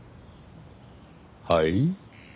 はい？